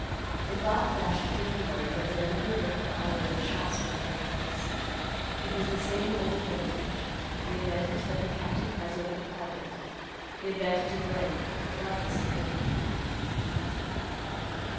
The thought flashed through her mind that the men who would work for Ollie in the shops would look like this. It was the same old advantage; the advantage that the captain has over the private; the advantage of rank, regardless of worth.